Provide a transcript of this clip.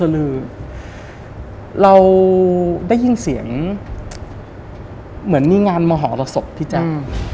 เราได้ยินเสียงเหมือนมีงานมหอระศพพี่จักร